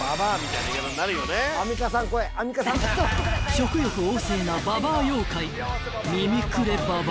［食欲旺盛なババア妖怪］